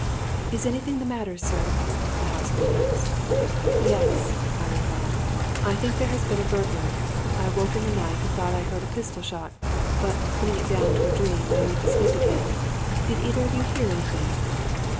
"'Is anything the matter, sir?' the housemaid asked. "'Yes,' I replied. 'I think there has been a burglary. I woke in the night and thought I heard a pistol shot, but, putting it down to a dream, I went to sleep again. Did either of you hear anything?'